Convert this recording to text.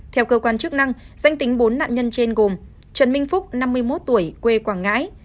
theo cơ quan chức năng danh tính bốn nạn nhân trên gồm trần minh phúc năm mươi một tuổi quê quảng ngãi